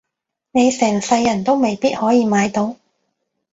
你成世人都未必可以買到